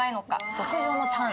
極上のタン。